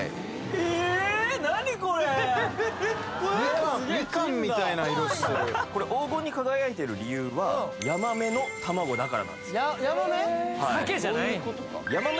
・えっえっえっ・みかんみたいな色してるこれ黄金に輝いてる理由はヤマメの卵だからなんですヤマメ？